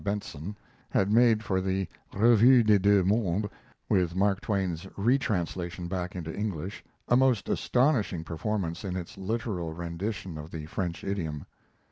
Bentzon) had made for the Revue des deux mondes, with Mark Twain's retranslation back into English, a most astonishing performance in its literal rendition of the French idiom.